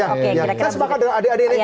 saya sepakat dengan adik adik ini